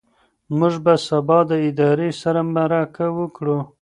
موږ به سبا د ادارې سره مرکه وکړو.